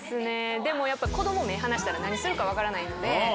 でも子供目離したら何するか分からないので。